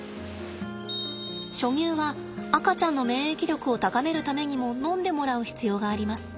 初乳は赤ちゃんの免疫力を高めるためにも飲んでもらう必要があります。